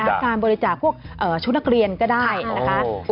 การบริจาคพวกชุดนักเรียนก็ได้นะคะ